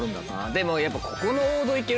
でもやっぱ。